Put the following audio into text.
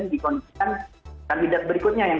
dikondisikan kandidat berikutnya yang